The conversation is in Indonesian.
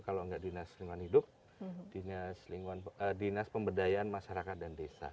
kalau nggak dinas lingkungan hidup dinas pemberdayaan masyarakat dan desa